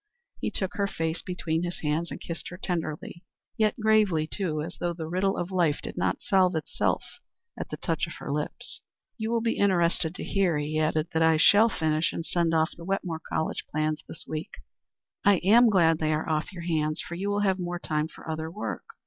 He took her face between his hands and kissed her tenderly; yet gravely, too, as though the riddle of life did not solve itself at the touch of her lips. "You will be interested to hear," he added, "that I shall finish and send off the Wetmore College plans this week." "I am glad they are off your hands, for you will have more time for other work."